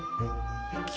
君。